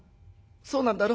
そうなんだろ？